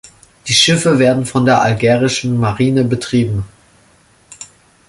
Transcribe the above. Die Schiffe werden von der algerischen Marine betrieben.